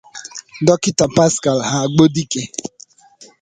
Dọkịta Paschal Agbọdike